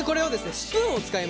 スプーンを使いまして。